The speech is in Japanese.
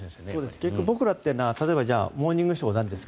結局僕らというのは「モーニングショー」なんですか？